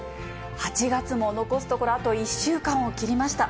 ８月も残すところ、あと１週間を切りました。